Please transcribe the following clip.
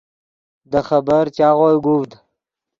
دے خبر چاغوئے گوڤد